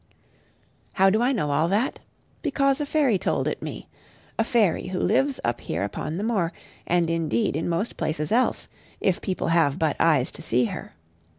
How do I know all that? Because a fairy told it me; a fairy who lives up here upon the moor, and indeed in most places else, if people have but eyes to see her.